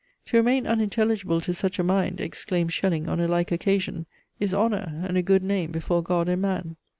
To remain unintelligible to such a mind, exclaims Schelling on a like occasion, is honour and a good name before God and man.